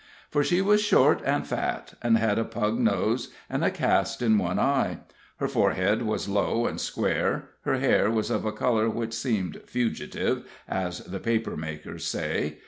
For she was short and fat, and had a pug nose, and a cast in one eye; her forehead was low and square, and her hair was of a color which seemed "fugitive," as the paper makers say.